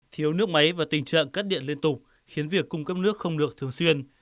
thiếu nước máy và tình trạng cắt điện liên tục khiến việc cung cấp nước không được thường xuyên